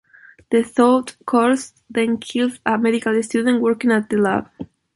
The thawed corpse then kills a medical student working at the lab.